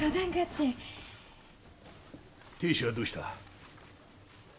亭主はどうした？